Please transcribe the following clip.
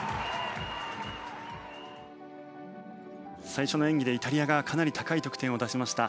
最初の演技でイタリアがかなり高い得点を出しました。